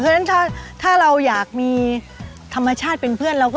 เพราะฉะนั้นถ้าเราอยากมีธรรมชาติกับธรรมชาติ